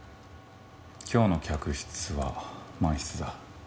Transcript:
今日の客室は満室だ。